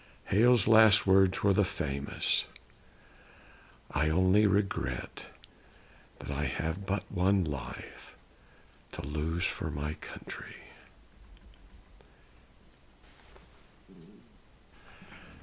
Hale's last words were the famous, "I only regret that I have but one life to lose for my country."